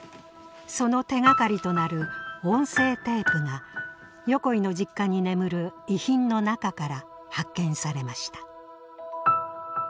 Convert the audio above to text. その手がかりとなる音声テープが横井の実家に眠る遺品の中から発見されました。